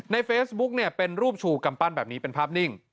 ในเฟซบุ๊กเนี่ยเป็นรูปชูกำปั้นแบบนี้เป็นภาพนิ่ง